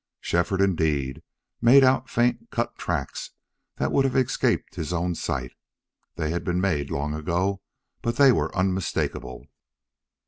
Shefford indeed made out faint cut tracks that would have escaped his own sight. They had been made long ago, but they were unmistakable.